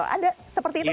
ada seperti itu